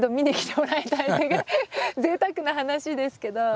ぜいたくな話ですけど。